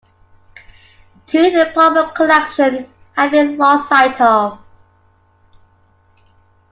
Two in the Propert collection have been lost sight of.